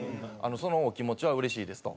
「そのお気持ちはうれしいです」と。